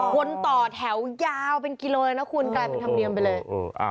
คนต่อแถวยาวเป็นกิโลเลยนะคุณกลายเป็นธรรมเนียมไปเลย